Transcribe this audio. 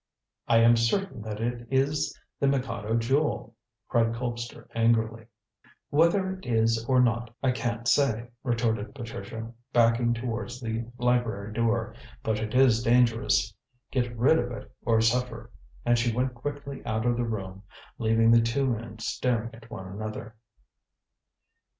"I am certain that it is the Mikado Jewel!" cried Colpster angrily. "Whether it is or not I can't say," retorted Patricia, backing towards the library door, "but it is dangerous. Get rid of it, or suffer." And she went quickly out of the room, leaving the two men staring at one another.